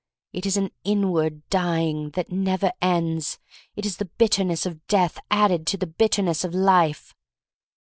It is an inward dying that never ends. It is the bitterness of death added to the bitterness of life.